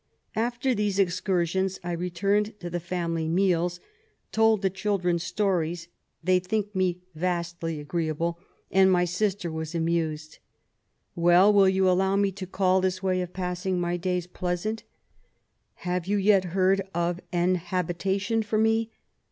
After these excursions I returned to the family meals, told the children stories (they think me vastly agree LITE BABY LIFE. 69 able), and my sister was amused. Well, will you allow me to call this way of passing my days pleasant ?... Have you yet heard of an habitation for me